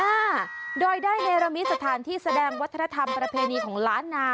อ่าโดยได้เนรมิตสถานที่แสดงวัฒนธรรมประเพณีของล้านนา